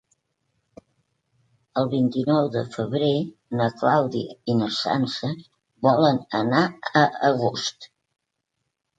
El vint-i-nou de febrer na Clàudia i na Sança volen anar a Agost.